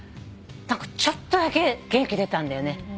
何かちょっとだけ元気出たんだよね。